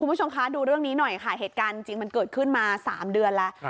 คุณผู้ชมคะดูเรื่องนี้หน่อยค่ะเหตุการณ์จริงมันเกิดขึ้นมา๓เดือนแล้ว